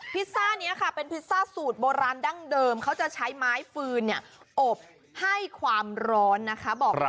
ซ่านี้ค่ะเป็นพิซซ่าสูตรโบราณดั้งเดิมเขาจะใช้ไม้ฟืนอบให้ความร้อนนะคะ